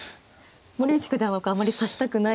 森内九段はあまり指したくないような。